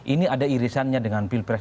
ini ada irisannya dengan pilpres